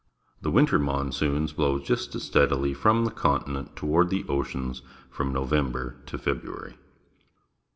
The winter monsoons blow just as steadily from the continent toward the oceans from November to February.